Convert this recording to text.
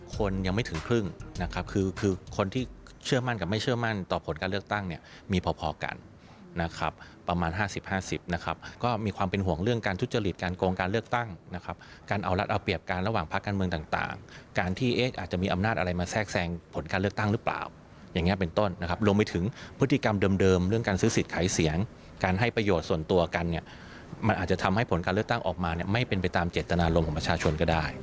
คนยังไม่ถึงครึ่งนะครับคือคนที่เชื่อมั่นกับไม่เชื่อมั่นต่อผลการเลือกตั้งเนี่ยมีพอกันนะครับประมาณ๕๐๕๐นะครับก็มีความเป็นห่วงเรื่องการทุจริตการโกงการเลือกตั้งนะครับการเอารัดเอาเปรียบการระหว่างพักการเมืองต่างการที่เอ๊ะอาจจะมีอำนาจอะไรมาแทรกแซงผลการเลือกตั้งหรือเปล่าอย่างงี้เป็นต้นนะครับ